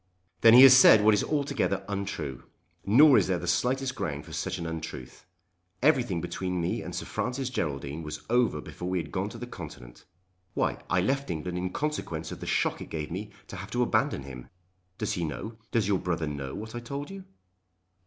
"Then he has said what is altogether untrue. Nor is there the slightest ground for such an untruth. Everything between me and Sir Francis Geraldine was over before we had gone to the Continent. Why; I left England in consequence of the shock it gave me to have to abandon him. Does he know, does your brother know what I told you?"